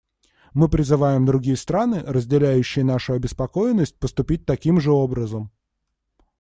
Мы призываем другие страны, разделяющие нашу обеспокоенность, поступить таким же образом.